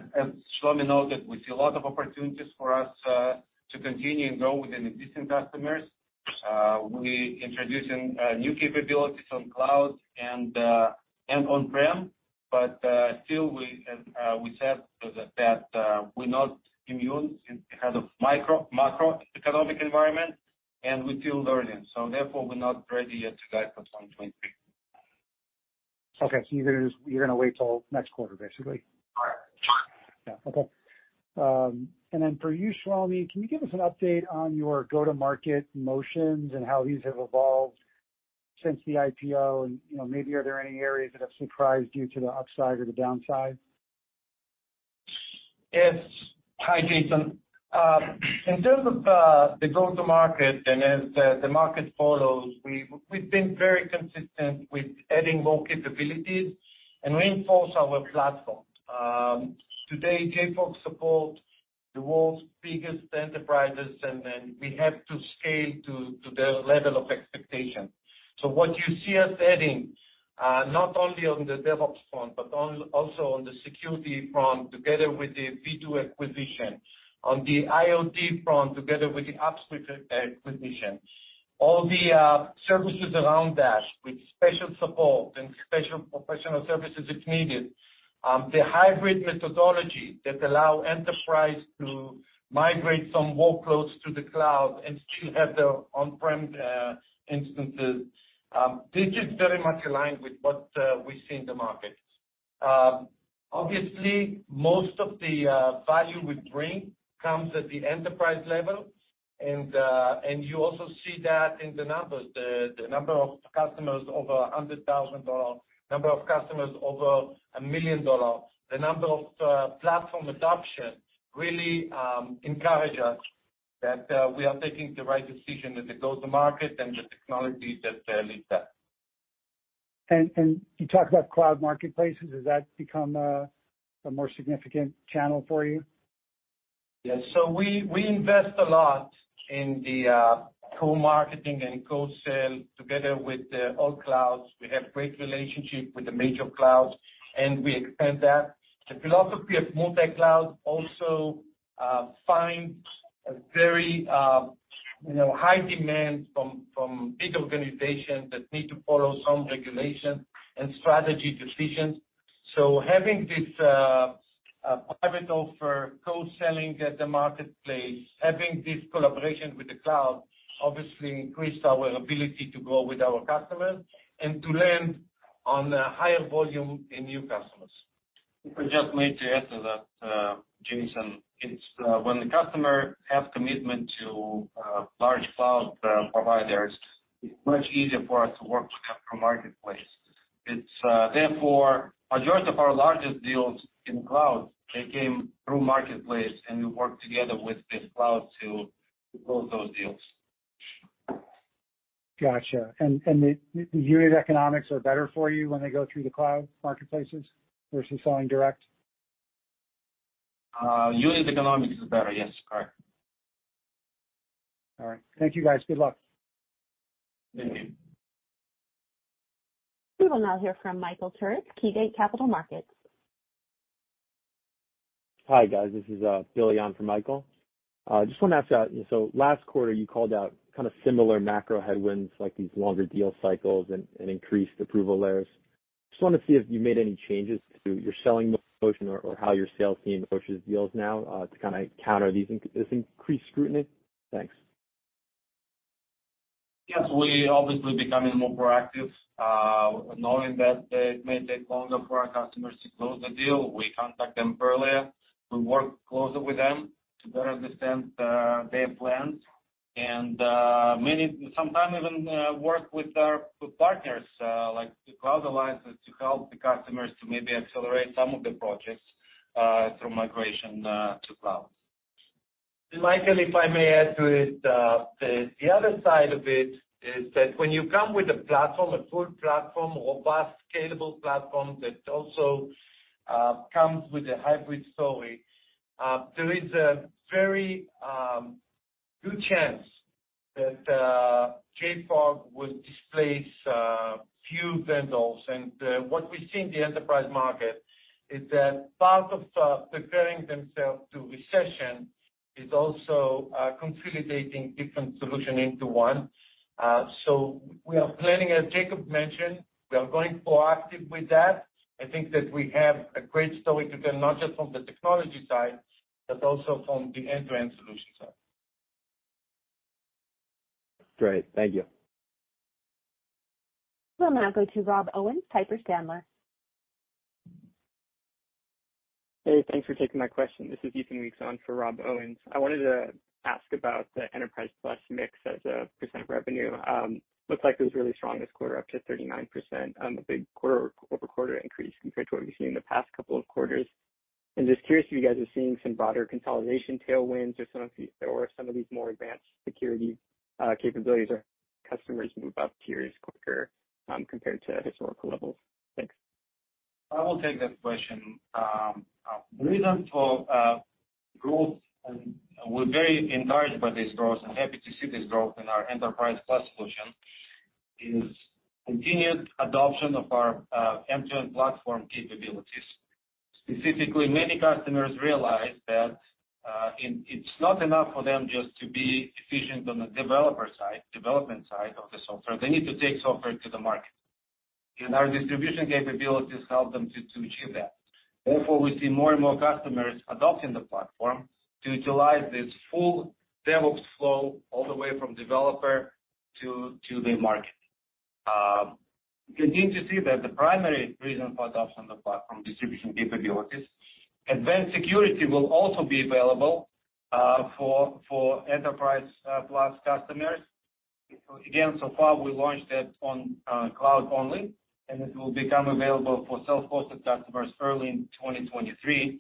Shlomi noted, we see a lot of opportunities for us to continue and grow within existing customers. We introducing new capabilities on cloud and on-prem, but still we said that we're not immune in kind of macroeconomic environment, and we're still learning. Therefore, we're not ready yet to guide for 2023. Okay. You're gonna wait till next quarter, basically? Correct. For you, Shlomi, can you give us an update on your go-to-market motions and how these have evolved since the IPO and, you know, maybe are there any areas that have surprised you to the upside or the downside? Yes. Hi, Jason. In terms of the go-to-market and as the market follows, we've been very consistent with adding more capabilities and reinforce our platform. Today, JFrog supports the world's biggest enterprises, and then we have to scale to their level of expectation. What you see us adding, not only on the DevOps front, but also on the security front, together with the Vdoo acquisition, on the IoT front, together with the Upswift acquisition, all the services around that with special support and special professional services if needed. The hybrid methodology that allows enterprises to migrate some workloads to the cloud and still have their on-prem instances, this is very much aligned with what we see in the market. Obviously, most of the value we bring comes at the enterprise level. You also see that in the numbers. The number of customers over $100,000, number of customers over $1 million, the number of platform adoption really encourage us that we are taking the right decision as it goes to market and the technology that leads that. You talk about cloud marketplaces, has that become a more significant channel for you? Yes. We invest a lot in the co-marketing and co-sale together with the all clouds. We have great relationship with the major clouds, and we expand that. The philosophy of multi-cloud also finds a very you know high demand from big organizations that need to follow some regulation and strategy decisions. Having this private offer co-selling at the marketplace, having this collaboration with the cloud obviously increased our ability to grow with our customers and to land on a higher volume in new customers. If I just may to add to that, Jason. It's when the customer have commitment to large cloud providers, it's much easier for us to work through marketplace. Therefore, majority of our largest deals in cloud they came through marketplace, and we worked together with this cloud to close those deals. Gotcha. The unit economics are better for you when they go through the cloud marketplaces versus selling direct? Unit economics is better. Yes, correct. All right. Thank you, guys. Good luck. Thank you. We will now hear from Michael Turits, KeyBanc Capital Markets. Hi, guys. This is Billy on for Michael. Just wanna ask last quarter, you called out kind of similar macro headwinds, like these longer deal cycles and increased approval layers. Just wanna see if you made any changes to your selling motion or how your sales team approaches deals now, to kinda counter this increased scrutiny. Thanks. Yes. We are obviously becoming more proactive, knowing that it may take longer for our customers to close the deal. We contact them earlier. We work closer with them to better understand their plans. Many times, sometimes even we work with our partners like the cloud alliances to help the customers to maybe accelerate some of the projects through migration to clouds. Michael, if I may add to it. The other side of it is that when you come with a platform, a full platform, robust, scalable platform that also comes with a hybrid story, there is a very good chance that JFrog will displace few vendors. What we see in the enterprise market is that part of preparing themselves to recession is also consolidating different solutions into one. We are planning, as Jacob mentioned, we are going proactive with that. I think that we have a great story to tell, not just from the technology side, but also from the end-to-end solution side. Great. Thank you. We'll now go to Rob Owens, Piper Sandler. Hey, thanks for taking my question. This is Ethan Weeks on for Rob Owens. I wanted to ask about the Enterprise+ mix as a percent revenue. Looks like it was really strong this quarter, up to 39% on a big quarter-over-quarter increase compared to what we've seen in the past couple of quarters. Just curious if you guys are seeing some broader consolidation tailwinds or some of these more advanced security capabilities or customers move up tiers quicker, compared to historical levels. Thanks. I will take that question. The reason for growth, and we're very encouraged by this growth and happy to see this growth in our Enterprise+ solution, is continued adoption of our end-to-end platform capabilities. Specifically, many customers realize that it's not enough for them just to be efficient on the developer side, development side of the software. They need to take software to the market, and our distribution capabilities help them to achieve that. Therefore, we see more and more customers adopting the platform to utilize this full DevOps flow all the way from developer to the market. Continue to see that the primary reason for adoption of the platform distribution capabilities. Advanced Security will also be available for Enterprise+ customers. Again, so far, we launched it on cloud-only, and it will become available for self-hosted customers early in 2023.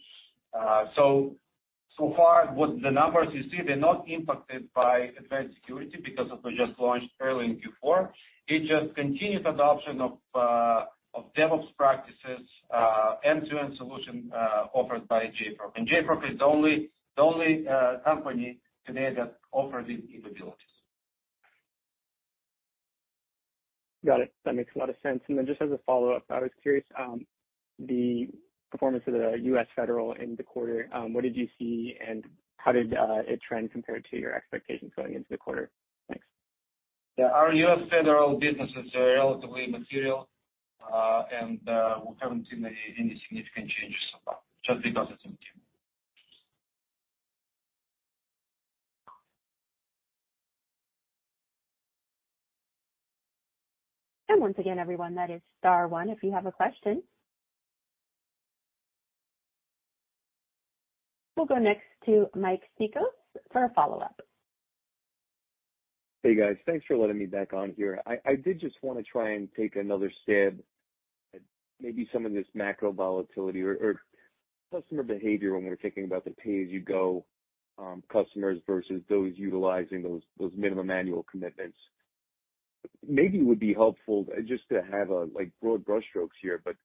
So far with the numbers you see, they're not impacted by Advanced Security because it was just launched early in Q4. It's just continued adoption of DevOps practices, end-to-end solution, offered by JFrog. JFrog is the only company today that offer these capabilities. Got it. That makes a lot of sense. Just as a follow-up, I was curious, the performance of the U.S. federal in the quarter, what did you see, and how did it trend compare to your expectations going into the quarter? Thanks. Yeah. Our U.S. federal business is relatively material, and we haven't seen any significant changes so far just because it's. Once again, everyone, that is star one, if you have a question. We'll go next to Mike Cikos for a follow-up. Hey, guys. Thanks for letting me back on here. I did just want to try and take another stab at maybe some of this macro volatility or customer behavior when we're thinking about the pay-as-you-go customers versus those utilizing those minimum annual commitments. Maybe it would be helpful just to have a like broad brushstrokes here, but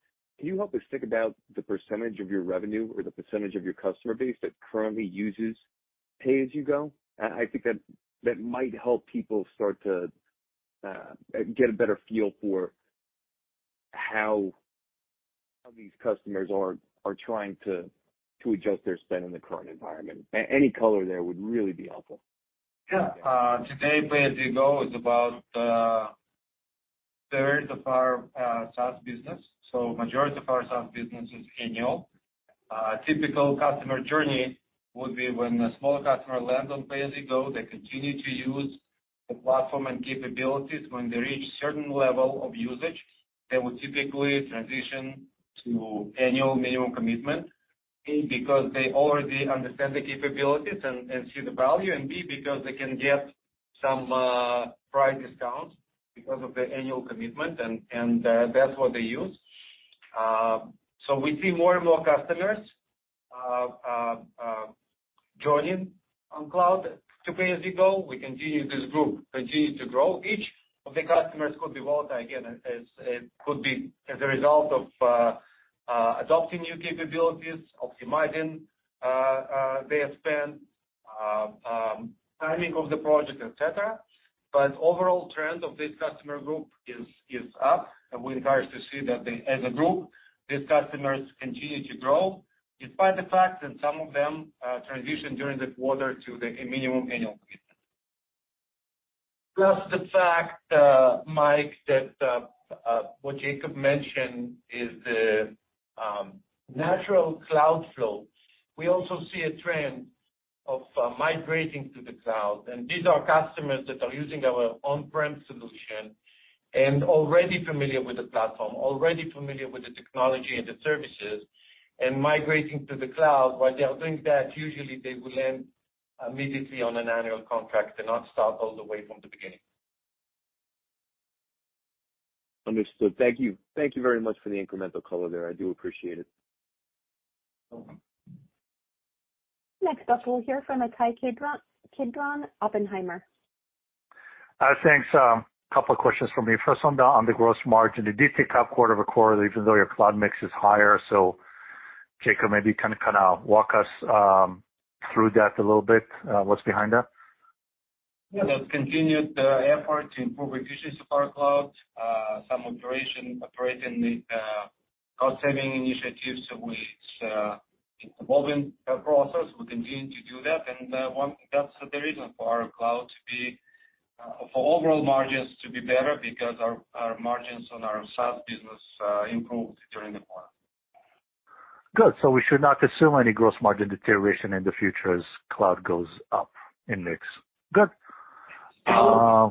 can you help us think about the percentage of your revenue or the percentage of your customer base that currently uses pay-as-you-go? I think that might help people start to get a better feel for how these customers are trying to adjust their spend in the current environment. Any color there would really be helpful. Yeah. Today, pay-as-you-go is about 1/3 of our SaaS business, so majority of our SaaS business is annual. Typical customer journey would be when a small customer lands on pay-as-you-go, they continue to use the platform and capabilities. When they reach a certain level of usage, they would typically transition to annual minimum commitment, A, because they already understand the capabilities and see the value, and B, because they can get some price discounts because of the annual commitment and that's what they use. We see more and more customers joining on cloud to pay-as-you-go. We continue to see this group continue to grow. Each of the customers could be volatile again, as a result of adopting new capabilities, optimizing their spend, timing of the project, etc. Overall trend of this customer group is up, and we're encouraged to see that they, as a group, these customers continue to grow despite the fact that some of them transition during the quarter to the minimum annual commitment. The fact, Mike, that what Jacob mentioned is the natural cloud flow. We also see a trend of migrating to the cloud, and these are customers that are using our on-prem solution and already familiar with the platform, already familiar with the technology and the services, and migrating to the cloud. While they are doing that, usually they will land immediately on an annual contract and not start all the way from the beginning. Understood. Thank you. Thank you very much for the incremental color there. I do appreciate it. Welcome. Next up, we'll hear from Ittai Kidron, Oppenheimer. Thanks. A couple of questions from me. First one on the gross margin. It did tick up quarter-over-quarter even though your cloud mix is higher. Jacob, maybe kind of walk us through that a little bit, what's behind that? Yeah. That continued effort to improve efficiency of our cloud. Operating the cost-saving initiatives, which is an evolving process. We continue to do that. That's the reason for our cloud to be, for overall margins to be better because our margins on our SaaS business improved during the quarter. Good. We should not assume any gross margin deterioration in the future as cloud goes up in mix. Good. Ittai,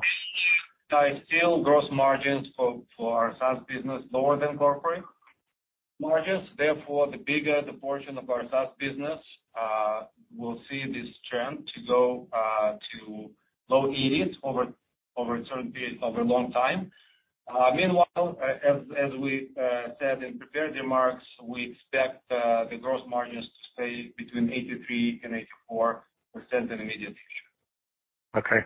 still gross margins for our SaaS business lower than corporate margins. Therefore, the bigger the portion of our SaaS business will see this trend to go to low 80% over a certain period, over a long time. Meanwhile, as we said in prepared remarks, we expect the gross margins to stay between 83% and 84% in the immediate future. Okay.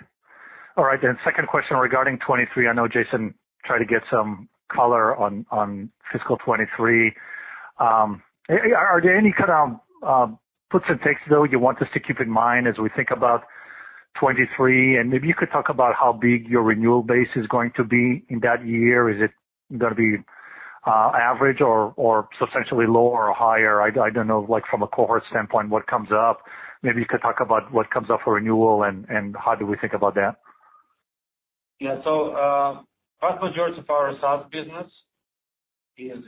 All right. Second question regarding 2023. I know Jason tried to get some color on fiscal 2023. Are there any kind of puts and takes though you want us to keep in mind as we think about 2023? And maybe you could talk about how big your renewal base is going to be in that year. Is it gonna be average or substantially lower or higher? I don't know, like from a cohort standpoint, what comes up. Maybe you could talk about what comes up for renewal and how do we think about that. Vast majority of our SaaS business is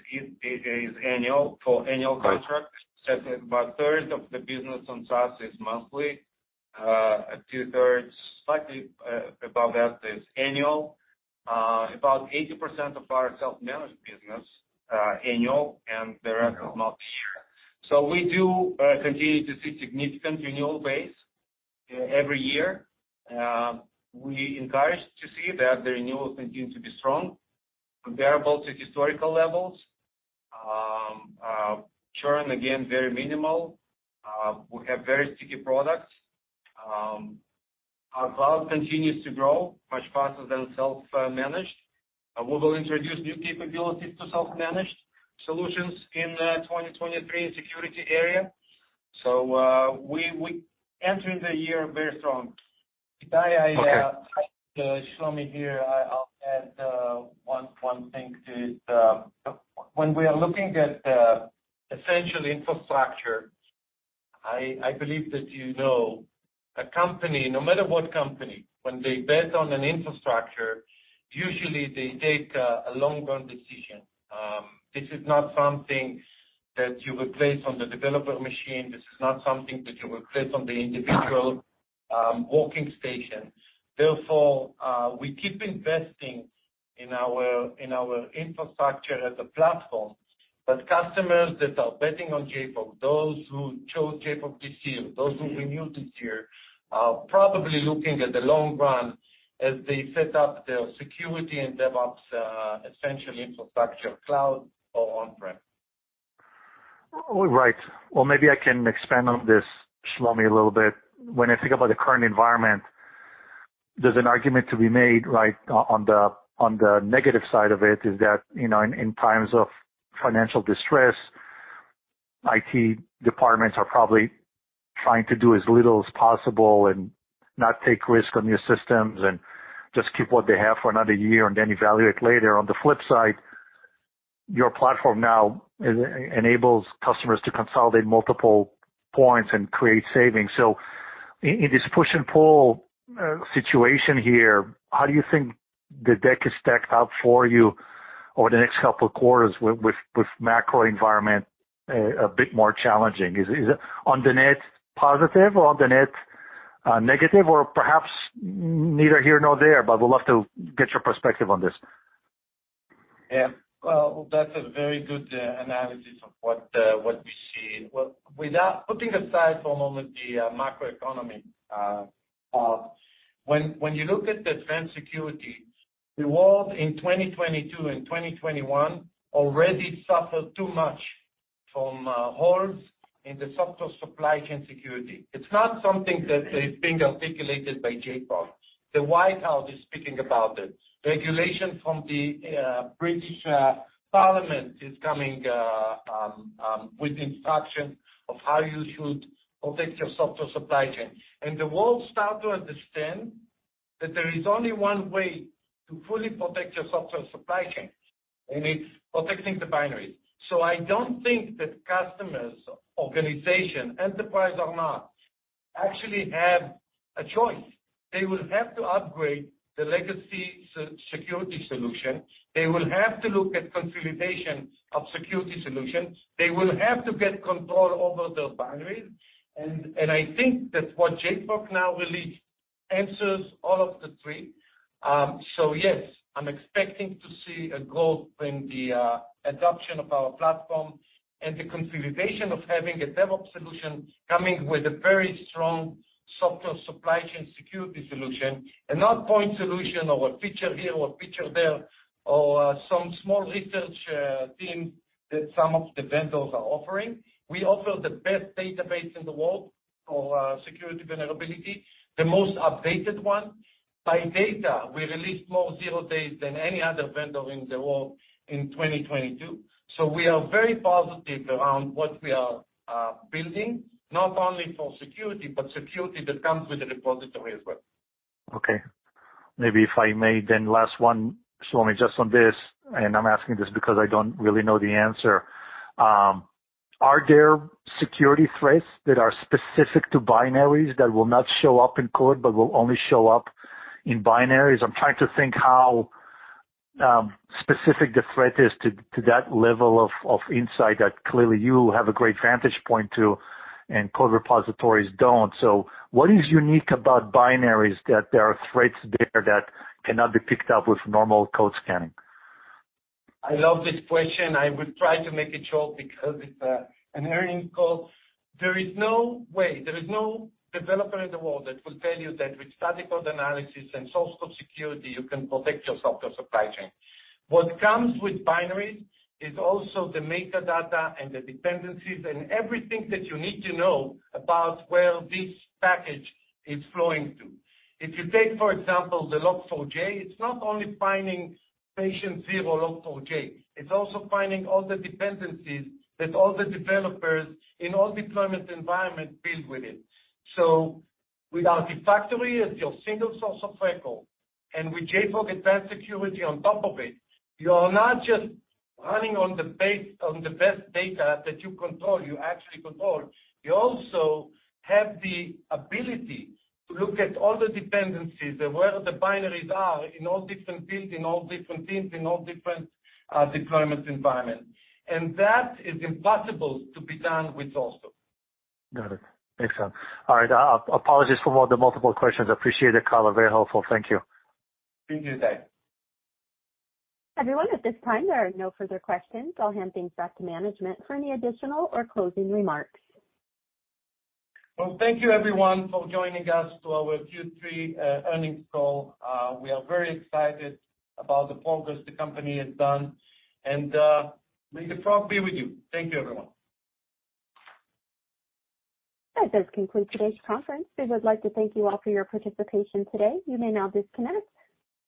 annual for annual contract. Got it. About a third of the business on SaaS is monthly. Two-thirds, slightly above that is annual. About 80% of our self-managed business annual, and the rest is monthly. We do continue to see significant renewal base every year. We encouraged to see that the renewal continue to be strong, comparable to historical levels. Churn, again, very minimal. We have very sticky products. Our cloud continues to grow much faster than self-managed. We will introduce new capabilities to self-managed solutions in 2023 in security area. We enter the year very strong. Ittai, I. Okay. Shlomi here. I'll add one thing. When we are looking at the essential infrastructure, I believe that you know a company, no matter what company, when they bet on an infrastructure, usually they take a long run decision. This is not something that you would place on the developer machine. This is not something that you would place on the individual workstation. Therefore, we keep investing in our infrastructure as a platform. Customers that are betting on JFrog, those who chose JFrog this year, those who renewed this year, are probably looking at the long run as they set up their security and DevOps essential infrastructure cloud or on-prem. All right. Well, maybe I can expand on this, Shlomi, a little bit. When I think about the current environment, there's an argument to be made, right, on the negative side of it is that, you know, in times of financial distress, IT departments are probably trying to do as little as possible and not take risks on new systems and just keep what they have for another year and then evaluate later. On the flip side, your platform now enables customers to consolidate multiple points and create savings. In this push and pull situation here, how do you think the deck is stacked up for you over the next couple quarters with macro environment a bit more challenging? Is it on the net positive or on the net negative, or perhaps neither here nor there, but would love to get your perspective on this? Yeah. Well, that's a very good analysis of what we see. Well, without putting aside for a moment the macroeconomy, when you look at advanced security, the world in 2022 and 2021 already suffered too much from holes in the software supply chain security. It's not something that is being articulated by JFrog. The White House is speaking about it. Regulation from the British Parliament is coming with instruction of how you should protect your software supply chain. The world start to understand that there is only one way to fully protect your software supply chain, and it's protecting the binaries. I don't think that customers, organization, enterprise or not, actually have a choice. They will have to upgrade the legacy security solution. They will have to look at consolidation of security solutions. They will have to get control over those binaries. I think that what JFrog now released answers all of the three. Yes, I'm expecting to see a growth in the adoption of our platform and the consolidation of having a DevOps solution coming with a very strong software supply chain security solution and not point solution or a feature here or a feature there or some small research team that some of the vendors are offering. We offer the best database in the world for security vulnerability, the most updated one. By the data, we released more zero days than any other vendor in the world in 2022. We are very positive around what we are building, not only for security, but security that comes with the repository as well. Okay. Maybe if I may then, last one, Shlomi, just on this, and I'm asking this because I don't really know the answer. Are there security threats that are specific to binaries that will not show up in code but will only show up in binaries? I'm trying to think how specific the threat is to that level of insight that clearly you have a great vantage point to and code repositories don't. What is unique about binaries that there are threats there that cannot be picked up with normal code scanning? I love this question. I will try to make it short because it's an earnings call. There is no way, there is no developer in the world that will tell you that with static code analysis and software security, you can protect your software supply chain. What comes with binaries is also the metadata and the dependencies and everything that you need to know about where this package is flowing to. If you take, for example, the Log4j, it's not only finding patient zero Log4j, it's also finding all the dependencies that all the developers in all deployment environment build with it. With Artifactory as your single source of record, and with JFrog Advanced Security on top of it, you are not just running on the best data that you control, you actually control. You also have the ability to look at all the dependencies and where the binaries are in all different builds, in all different teams, in all different deployment environment. That is impossible to be done with source code. Got it. Makes sense. All right. Apologies for all the multiple questions. Appreciate the call. Very helpful. Thank you. Thank you, Ittai. Everyone, at this time, there are no further questions. I'll hand things back to management for any additional or closing remarks. Well, thank you everyone for joining us to our Q3 earnings call. We are very excited about the progress the company has done. May the Frog be with you. Thank you, everyone. That does conclude today's conference. We would like to thank you all for your participation today. You may now disconnect.